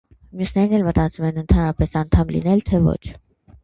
Մյուսներն էլ մտածում են՝ ընդհանրապես անդամ լինել, թե՝ ոչ։